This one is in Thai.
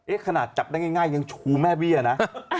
ขนาดจับได้ง่ายยังชูแม่เบี้ยนะ